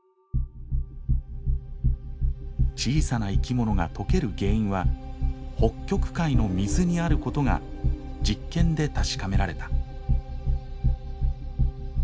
小さな生き物が溶ける原因は北極海の水にあることが実験で確かめられた。